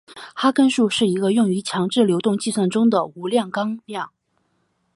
哈根数是一个用于强制流动计算中的无量纲量。